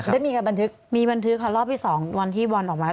ได้มีการบันทึกมีบันทึกค่ะรอบที่สองวันที่บอลออกมา